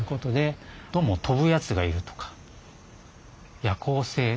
どうも飛ぶやつがいるとか夜行性。